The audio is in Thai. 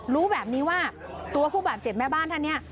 รู้แบบนี้ว่าตัวผู้บาดเจ็บแม่บ้านท่านเนี่ย